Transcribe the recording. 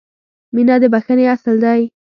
• مینه د بښنې اصل دی.